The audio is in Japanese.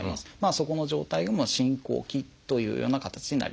そこの状態が進行期というような形になります。